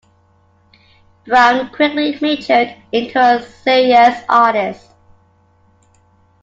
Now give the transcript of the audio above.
Brown quickly matured into a serious artist.